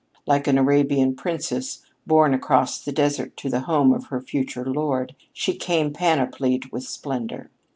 Like an Arabian princess, borne across the desert to the home of her future lord, she came panoplied with splendor.